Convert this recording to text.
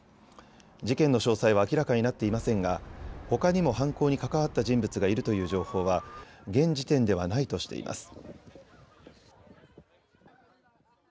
事件の詳細は明らかになっていませんが、ほかにも犯行に関わった人物がいるという情報は現時点ではないとしています。